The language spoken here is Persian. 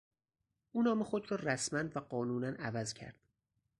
او نام خود را رسما و قانونا عوض کرد.